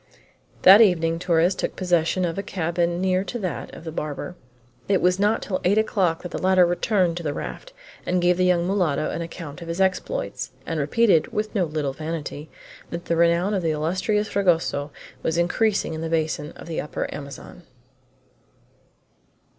That evening Torres took possession of a cabin near to that of the barber. It was not till eight o'clock that the latter returned to the raft, and gave the young mulatto an account of his exploits, and repeated, with no little vanity, that the renown of the illustrious Fragoso was increasing in the basin of the Upper Amazon.